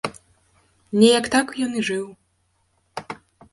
Неяк так ён і жыў.